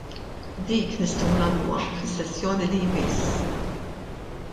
Dik nistgħu nagħmluha fis-sessjoni li jmiss.